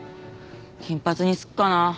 金髪にすっかな。